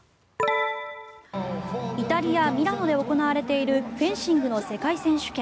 イタリア・ミラノで行われているフェンシングの世界選手権。